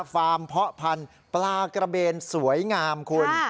ามเพาะพันธุ์ปลากระเบนสวยงามคุณ